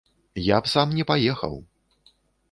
Я б сам не паехаў!